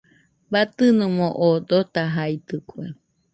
Batɨnomo oo dotajaitɨkue.